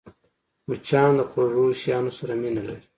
مچان د خوږو شيانو سره مینه لري